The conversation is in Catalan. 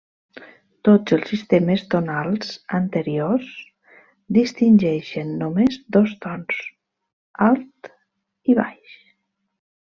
Tots els sistemes tonals anteriors distingeixen només dos tons: alt i baix.